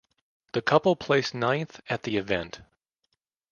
The couple placed ninth at the event.